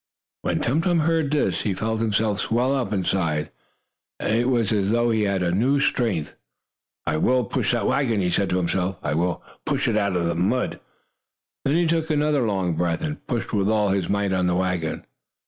When Tum Tum heard this, he felt himself swell up inside. It was as though he had new strength. "I will push that wagon!" he said to himself. "I will push it out of the mud!" Then he took another long breath, and pushed with all his might on the wagon.